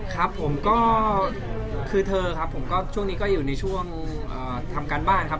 ครับผมก็คือเธอครับผมก็ช่วงนี้ก็อยู่ในช่วงทำการบ้านครับ